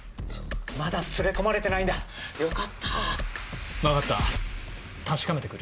まだ連れ込まれてないんだよかった。分かった確かめて来る。